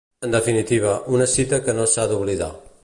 En definitiva, una cita que no s'ha d'oblidar.